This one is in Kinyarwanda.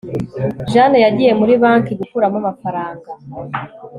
jane yagiye muri banki gukuramo amafaranga